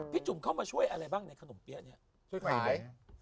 เพิ่งคนช่วยเนี่ย